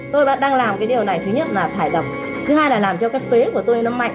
tôi vẫn đang làm cái điều này thứ nhất là thải độc thứ hai là làm cho các phế của tôi nó mạnh